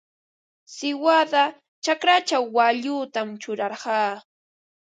Siwada chakrachaw waallutam churarqaa.